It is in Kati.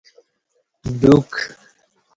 ڈوک